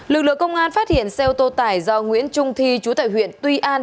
lực lượng công an phát hiện xe ô tô tải do nguyễn trung thi chú tại huyện tuy an